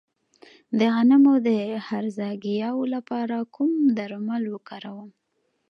د غنمو د هرزه ګیاوو لپاره کوم درمل وکاروم؟